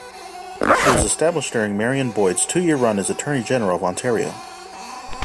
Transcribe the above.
It was established during Marion Boyd's two-year run as Attorney General of Ontario.